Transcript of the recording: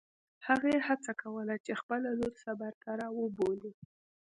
هغې هڅه کوله چې خپله لور صبر ته راوبولي.